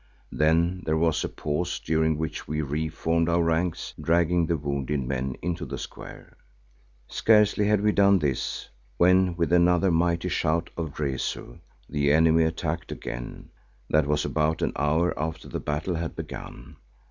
Then there was a pause during which we re formed our ranks, dragging the wounded men into the square. Scarcely had we done this when with another mighty shout of "Rezu!" the enemy attacked again—that was about an hour after the battle had begun.